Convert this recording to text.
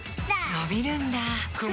のびるんだ